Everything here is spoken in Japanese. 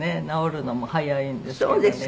直るのも早いんですけどね。